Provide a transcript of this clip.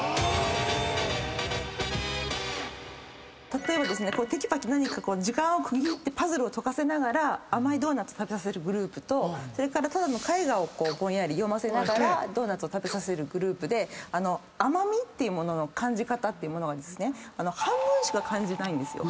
例えばてきぱき何か時間を区切ってパズルを解かせながら甘いドーナツ食べさせるグループとそれからただの絵画をぼんやり読ませながらドーナツを食べさせるグループで甘味の感じ方っていうものが半分しか感じないんですよ。